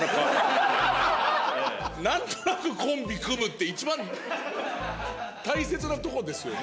「なんとなくコンビ組む」って一番大切なとこですよね？